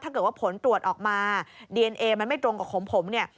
ถ้าเกิดว่าผลตรวจออกมาดีเอนเอมันไม่ตรงกับของผมเนี่ย